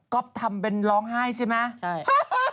ก๊อปทำเป็นร้องไห้ใช่ไหม